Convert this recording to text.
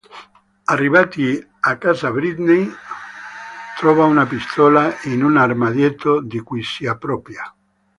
Arrivati a casa Britney trova una pistola in un armadietto di cui si appropria.